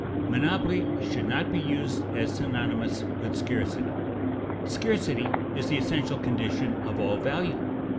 Monopoly should not be used as synonymous with scarcity. Scarcity is the essential condition of all value.